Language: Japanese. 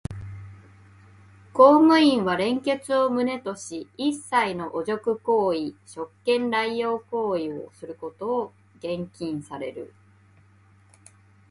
公務員は廉潔を旨とし、一切の汚辱行為、職権濫用行為をすることを厳禁される。